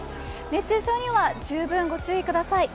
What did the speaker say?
熱中症には十分ご注意ください。